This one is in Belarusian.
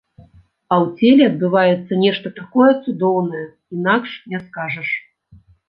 А ў целе адбываецца нешта такое цудоўнае, інакш не скажаш.